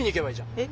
えっ？